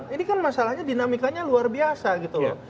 ini kan masalahnya dinamikanya luar biasa gitu loh